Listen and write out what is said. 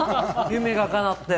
夢がかなって。